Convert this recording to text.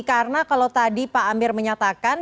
karena kalau tadi pak amir menyatakan